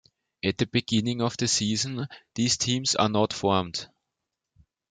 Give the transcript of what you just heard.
At the beginning of the season, these teams are not formed.